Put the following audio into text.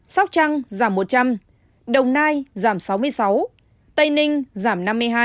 sóc trăng giảm một trăm linh đồng nai giảm sáu mươi sáu tây ninh giảm năm mươi hai